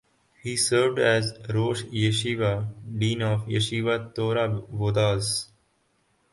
He served as rosh yeshiva (dean) of Yeshiva Torah Vodaas.